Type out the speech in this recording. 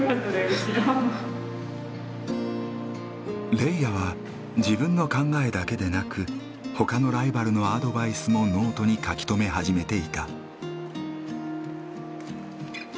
レイヤは自分の考えだけでなくほかのライバルのアドバイスもノートに書き留め始めていた。